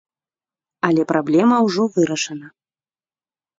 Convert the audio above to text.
Але праблема ўжо вырашана.